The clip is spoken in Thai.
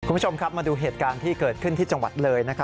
คุณผู้ชมครับมาดูเหตุการณ์ที่เกิดขึ้นที่จังหวัดเลย